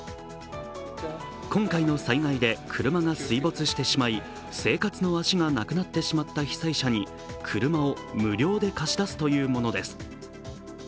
今回の災害で車が水没してしまい生活の足がなくなってしまった被災者に車を無料で貸し出すというものです。